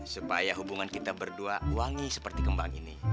supaya hubungan kita berdua wangi seperti kembang ini